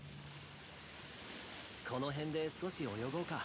・この辺で少し泳ごうか。